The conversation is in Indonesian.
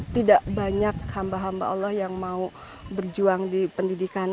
tidak banyak hamba hamba allah yang mau berjuang di pendidikan